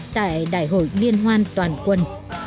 tại đại hội liên hoan toàn quân